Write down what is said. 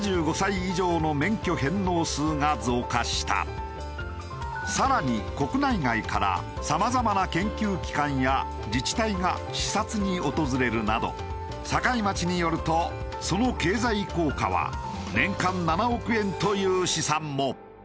実際に更に国内外からさまざまな研究機関や自治体が視察に訪れるなど境町によるとその経済効果は年間７億円という試算も。